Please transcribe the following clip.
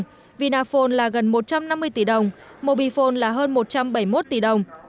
vinaphone là gần một trăm năm mươi tỷ đồng mobifone là hơn một trăm bảy mươi một tỷ đồng